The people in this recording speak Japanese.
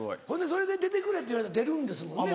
それで出てくれって言われたら出るんですもんね。